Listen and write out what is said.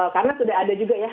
karena sudah ada juga ya